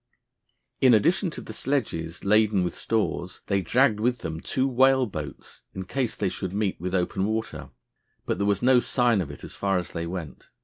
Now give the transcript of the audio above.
In addition to the sledges laden with stores, they dragged with them two whale boats in case they should meet with open water. But there was no sign of it as far as they went.